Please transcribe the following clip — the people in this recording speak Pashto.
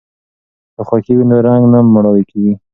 که خوښي وي نو رنګ نه مړاوی کیږي.